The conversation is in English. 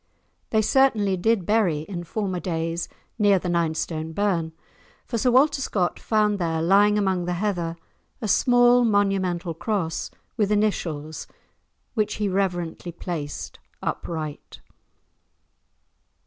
They certainly did bury, in former days, near the Ninestone Burn, for Sir Walter Scott found there, lying among the heather, a small monumental cross, with initials, which he reverently placed upright.